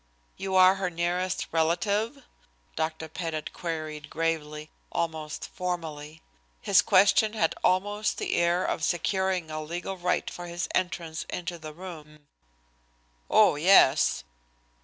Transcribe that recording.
"You are her nearest relative?" Dr. Pettit queried gravely, almost formally. His question had almost the air of securing a legal right for his entrance into the room. "Oh, yes."